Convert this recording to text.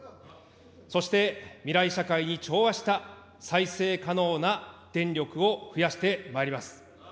そして未来社会に調和した再生可能な電力を増やしてまいります。